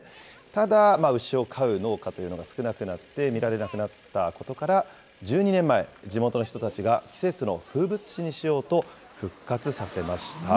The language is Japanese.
ただ、牛を飼う農家というのが少なくなって見られなくなったことから、１２年前、地元の人たちが季節の風物詩にしようと復活させました。